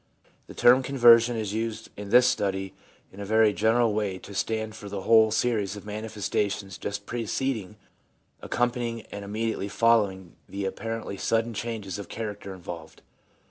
The term Conversion is used in this study in a very general way to stand for the whole series of manifestations just preceding, accompanying, and immediately following the apparently sudden changes of character involved.